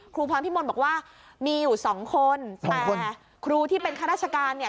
ครูพรพิมลบอกว่ามีอยู่สองคนแต่ครูที่เป็นข้าราชการเนี่ย